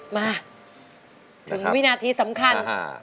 มาถึงวินาทีสำคัญ